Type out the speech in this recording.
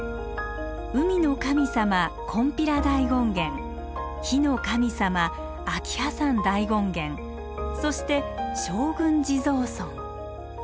海の神様金比羅大権現火の神様秋葉山大権現そして将軍地蔵尊。